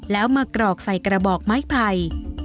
แล้วมากรอกใส่กระบอกไม้ไผ่